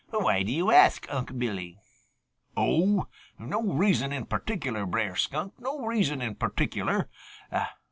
Why do you ask, Unc' Billy?" "Oh, no reason in particular, Brer Skunk. No reason in particular.